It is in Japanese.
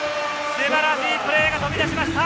素晴らしいプレーが飛び出しました！